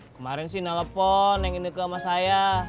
kemarin sih nelepon yang ini ke sama saya